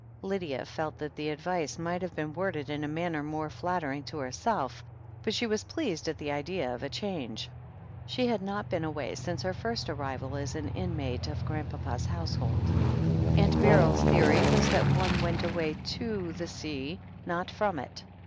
Lydia felt that the advice might have been worded in a manner more flattering to herself, but she was pleased at the idea of a change. She had not been away since her first arrival as an inmate of Grandpapa's household. Aunt Beryl's the ory was that one went away to the sea, not from it.